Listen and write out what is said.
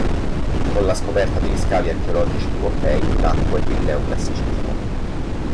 Con la scoperta degli scavi archeologici di Pompei, nacque il neoclassicismo.